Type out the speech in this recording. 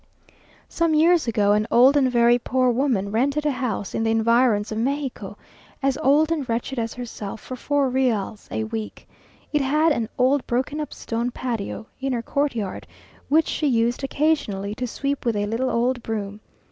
Some years ago, an old and very poor woman rented a house in the environs of Mexico, as old and wretched as herself, for four reals a week. It had an old broken up stone patio (inner courtyard), which she used occasionally to sweep with a little old broom.